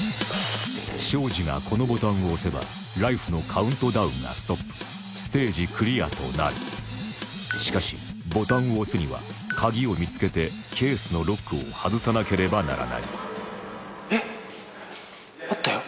庄司がこのボタンを押せばライフのカウントダウンがストップステージクリアとなるしかしボタンを押すにはカギを見つけてケースのロックを外さなければならないえっあったよ